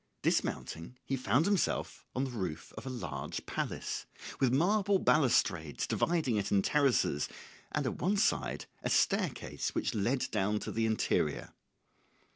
Dismounting he found himself on the roof of a large palace, with marble balustrades dividing it in terraces, and at one side a staircase which led down to the interior.